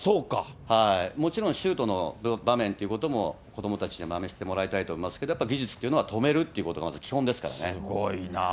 もちろん、シュートの場面っていうことも子どもたちにはまねしてもらいたいとは思いますけども、やっぱ技術というのは止めるということがますごいな。